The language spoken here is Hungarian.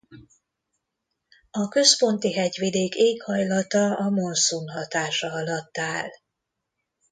A Központi-hegyvidék éghajlata a monszun hatása alatt áll.